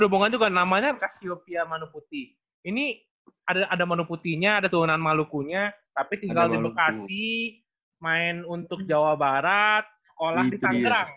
ini juga namanya casio pia manu putih ini ada manu putihnya ada tuhanan maluku nya tapi tinggal di bekasi main untuk jawa barat sekolah di tangerang